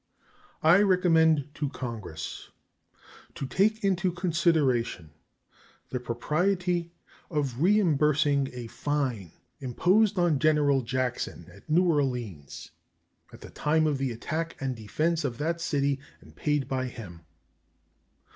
I recommend to Congress to take into consideration the propriety of reimbursing a fine imposed on General Jackson at New Orleans at the time of the attack and defense of that city, and paid by him.